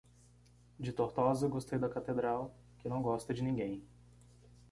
De Tortosa gostei da catedral, que não gosta de ninguém!